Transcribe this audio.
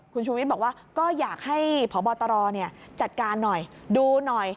คุณชูวิทย์บอกว่าก็อยากให้พบตรจัดการหน่อยดูหน่อย